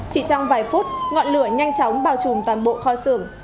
chỉ trong vài phút ngọn lửa nhanh chóng bào chùm toàn bộ kho xưởng